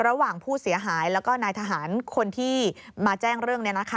ระหว่างผู้เสียหายแล้วก็นายทหารคนที่มาแจ้งเรื่อง